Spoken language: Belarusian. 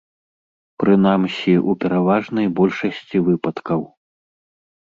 Прынамсі, у пераважнай большасці выпадкаў.